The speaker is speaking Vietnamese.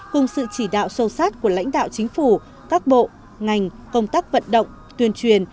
cùng sự chỉ đạo sâu sát của lãnh đạo chính phủ các bộ ngành công tác vận động tuyên truyền